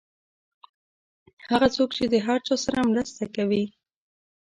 هغه څوک چې د هر چا سره مرسته کوي.